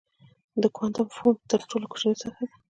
د کوانټم فوم تر ټولو کوچنۍ سطحه ده.